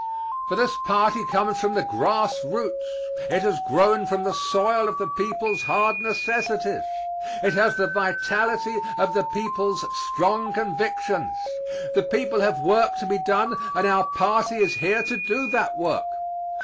For this party comes from the grass roots. It has grown from the soil of the people's hard necessities. It has the vitality of the people's strong convictions. The people have work to be done and our party is here to do that work.